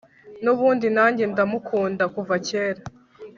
nubundi nanjye ndamukunda kuva kera